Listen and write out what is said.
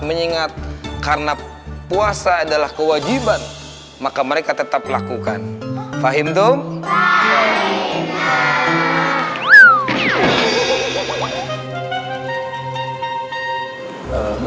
ki karena puasa adalah kewajiban maka mereka tetap melakukan fahim edu tro